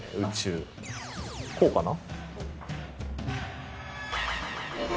こうかな？